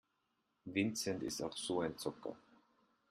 Vincent ist auch so ein Zocker.